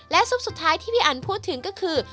ซุปสุดท้ายที่พี่อันพูดถึงก็คือ